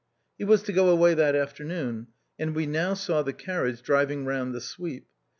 He was to go away that afternoon, and we now saw the carriage driving round the sweep.